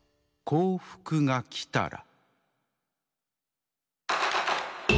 「『幸福』がきたら」。